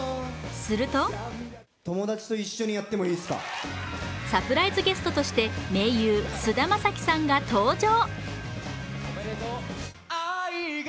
するとサプライズゲストとして盟友・菅田将暉さんが登場。